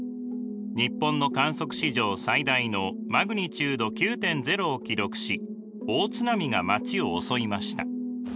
日本の観測史上最大のマグニチュード９．０を記録し大津波が街を襲いました。